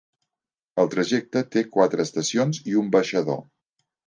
El trajecte té quatre estacions i un baixador.